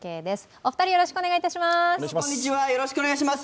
お二人、よろしくお願いします。